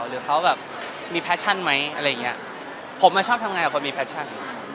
หรือเขามีสุจัยมีผมชอบทำงานใดหากมีสุจัย